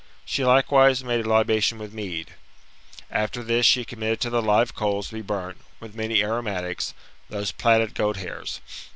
She likewise made a libation with mead. After this she committed to the live coals to be burnt, with many aromatics, those platted goat hairs.